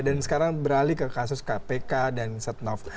dan sekarang beralih ke kasus kpk dan setnov